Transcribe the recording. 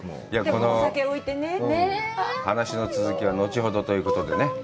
この話の続きは後ほどということでね。